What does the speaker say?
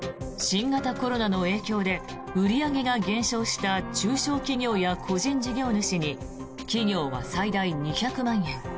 新型コロナの影響で売り上げが減少した中小企業や個人事業主に企業は最大２００万円